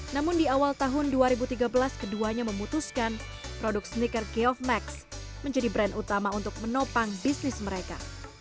namun di awal tahun dua ribu tiga belas keduanya memutuskan produk sneaker geof max menjadi brand utama untuk menopang bisnis mereka